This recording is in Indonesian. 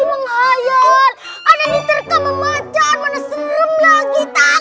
anak itu lagi menghayat